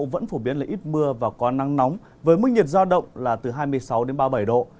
vẫn phổ biến là ít mưa và có nắng nóng với mức nhiệt giao động là từ hai mươi sáu đến ba mươi bảy độ